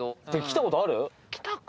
来たことある？